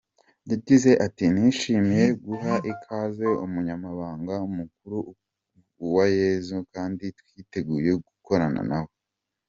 Yagize ati "Nishimiye guha ikaze Umunyamabanga Mukuru Uwayezu kandi twiteguye gukorana nawe.